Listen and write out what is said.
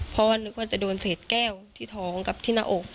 เพราะว่านึกว่าจะโดนเศษแก้วที่ท้องกับที่หน้าอก